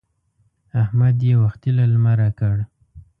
احمد يې وختي له لمره کړ.